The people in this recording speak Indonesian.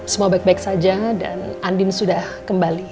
semua baik baik saja dan andin sudah kembali